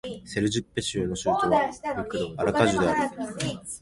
セルジッペ州の州都はアラカジュである